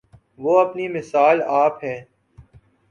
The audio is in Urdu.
وہ اپنی مثال آپ ہے۔